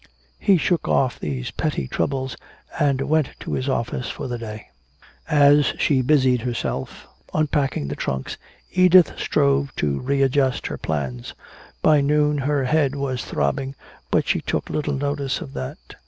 He shook off these petty troubles and went to his office for the day. As she busied herself unpacking the trunks, Edith strove to readjust her plans. By noon her head was throbbing, but she took little notice of that.